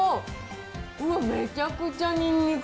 うわ、めちゃくちゃにんにく。